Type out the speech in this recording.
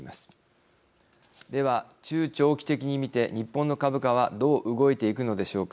では中長期的に見て日本の株価はどう動いていくのでしょうか。